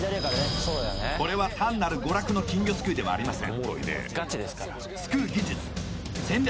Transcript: これは単なる娯楽の金魚すくいではありませんすくう技術戦略